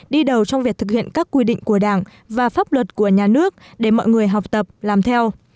đi đầu trong việc thực hiện các quy định của đảng và pháp luật của nhà nước để mọi người học tập làm theo